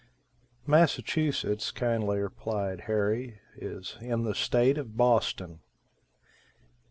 "Massachusetts," kindly replied Harry, "is in the state of Boston."